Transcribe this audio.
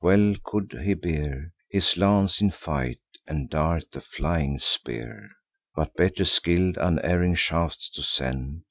Well could he bear His lance in fight, and dart the flying spear, But better skill'd unerring shafts to send.